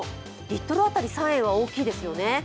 リットル当たり３円は大きいですよね。